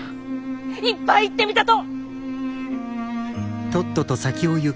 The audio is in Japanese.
いっぱい言ってみたと！